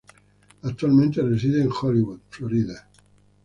Actualmente reside en Hollywood, Florida.